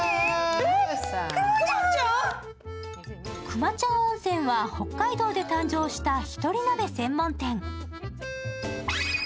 くまちゃん温泉は北海道で誕生した一人鍋専門店。